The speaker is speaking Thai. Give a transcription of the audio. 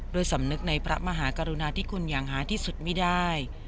สำนึกในพระมหากรุณาที่คุณอย่างหาที่สุดไม่ได้